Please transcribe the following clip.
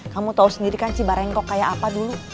kamu tau sendiri kan si barengkok kayak apa dulu